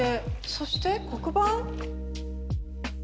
そして黒板？